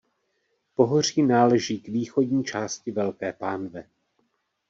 Pohoří náleží k východní části Velké pánve.